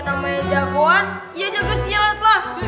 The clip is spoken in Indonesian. yang namanya jagoan yang jago silap lah